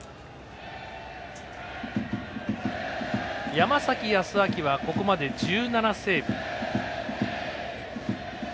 山崎康晃は、ここまで１７セーブ。